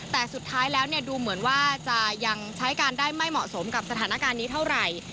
แต่สุดท้ายแล้วดูเหมือนว่าจะยังใช้การได้ไม่เหมาะสมกับสถานการณ์นี้เท่าไหร่